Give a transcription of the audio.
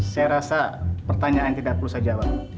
saya rasa pertanyaan tidak perlu saya jawab